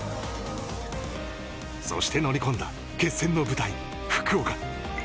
そして乗り込んだ決戦の舞台、福岡。